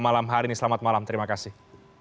malam hari ini selamat malam terima kasih